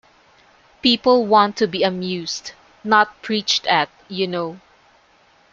People want to be amused, not preached at, you know.